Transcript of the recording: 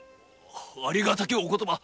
ありがたきお言葉。